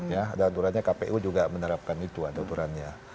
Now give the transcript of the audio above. ya ada aturannya kpu juga menerapkan itu ada aturannya